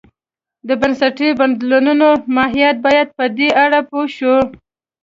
د بنسټي بدلونو ماهیت باید په دې اړه پوه شو.